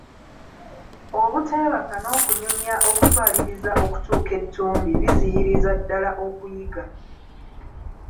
Obuteebaka n'okunyumya okutwaliriza okutuuka ettumbi biziyiriza ddala okuyiga.